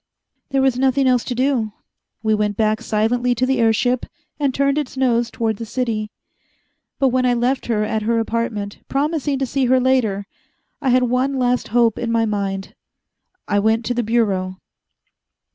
There was nothing else to do. We went back silently to the airship, and turned its nose toward the city. But when I left her at her apartment, promising to see her later, I had one last hope in my mind. I went to the Bureau.